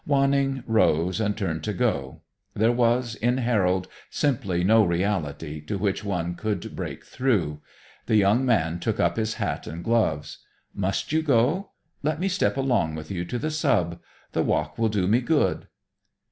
Wanning rose and turned to go. There was, in Harold, simply no reality, to which one could break through. The young man took up his hat and gloves. "Must you go? Let me step along with you to the sub. The walk will do me good."